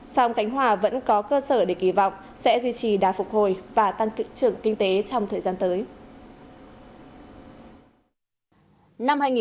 song khánh hòa vẫn có cơ sở để kỳ vọng sẽ duy trì đá phục hồi và tăng trưởng kinh tế trong thời gian tới